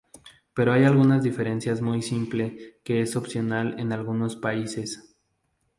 Pero hay algunas diferencias muy simple que es opcional en algunos países.